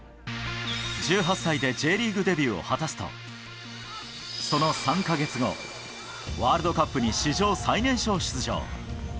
１８歳でＪリーグデビューを果たすと、その３か月後、ワールドカップに史上最年少出場。